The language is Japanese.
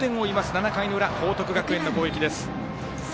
７回の裏報徳学園の攻撃です。